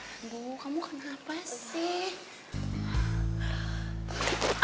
aduh kamu kenapa sih